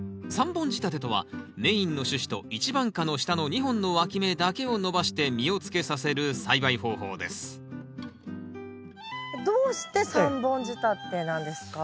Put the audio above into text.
３本仕立てとはメインの主枝と一番花の下の２本のわき芽だけを伸ばして実をつけさせる栽培方法ですどうして３本仕立てなんですか？